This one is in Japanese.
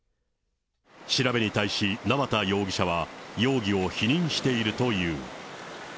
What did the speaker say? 調べに対し縄田容疑者は、容疑を否認しているという。